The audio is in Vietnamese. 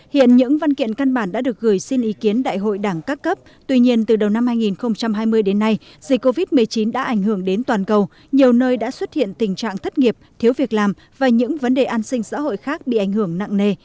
hiện những văn kiện căn bản đã được gửi xin ý kiến đại hội đảng các cấp tuy nhiên từ đầu năm hai nghìn hai mươi đến nay dịch covid một mươi chín đã ảnh hưởng đến toàn cầu nhiều nơi đã xuất hiện tình trạng thất nghiệp thiếu việc làm và những vấn đề an sinh xã hội khác bị ảnh hưởng nặng nề